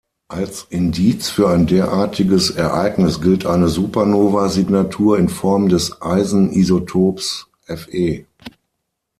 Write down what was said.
Als Indiz für ein derartiges Ereignis gilt eine Supernova-Signatur in Form des Eisen-Isotops Fe.